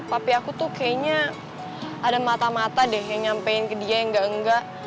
tapi aku tuh kayaknya ada mata mata deh yang nyampein ke dia yang enggak enggak